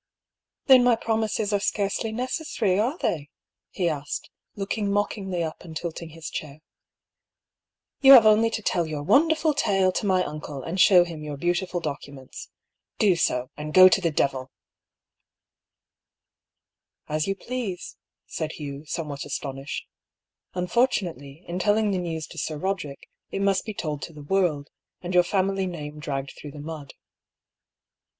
"Then my promises are scarcely necessary, are they?" he asked, looking mockingly up and tilting his chair. " You have only to tell your wonderful tale to my uncle, and shew him your beautiful documents. Do 80, and go to the devil 1 " 78 I>R» PAULL'S THEORY. ^^ As you please," said Hugh, somewhat astonished. " Unfortunately, in telling the news to Sir Boderick, it must be told to the world, and your family name dragged through the mud."